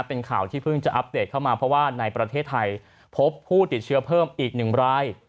เป็นข่าวที่เพิ่งจะอัปเดตเข้ามาเพราะว่าในประเทศไทยพบผู้ติดเชื้อเพิ่มอีกหนึ่งราย